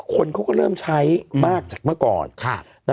คนเขาก็เริ่มใช้มากจากเมื่อก่อน